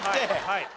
はい。